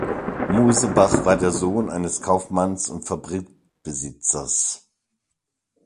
Mosebach war der Sohn eines Kaufmanns und Fabrikbesitzers.